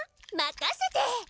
まかせて！